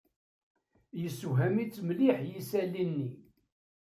Yessewhem-itt mliḥ yisali-nni.